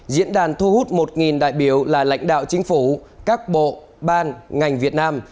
diễn đàn thu hút một đại biểu là lãnh đạo chính phủ các bộ ban ngành việt nam